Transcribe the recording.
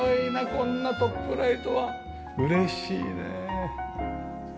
こんなトップライトは嬉しいね。